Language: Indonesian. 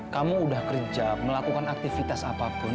kamu udah kerja melakukan aktivitas apapun